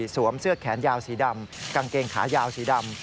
เสื้อแขนยาวสีดำกางเกงขายาวสีดำ